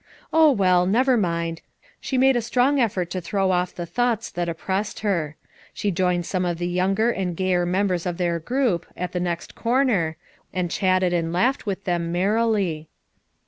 Oh, well, never mind. She made a strong effort to throw off the thoughts that oppressed her. She joined some of the younger and gayer members of their group, at the next corner, and chatted and laughed with tbcm merrily.